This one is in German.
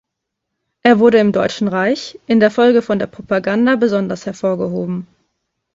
Er wurde im Deutschen Reich in der Folge von der Propaganda besonders hervorgehoben.